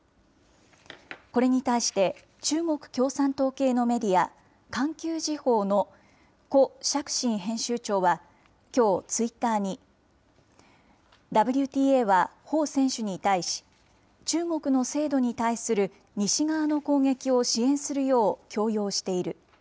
これに対して、中国共産党系のメディア、環球時報の胡錫進編集長は、きょうツイッターに、ＷＴＡは彭選手に対し、中国の制度に対する西側の攻撃を支援するよう強要している。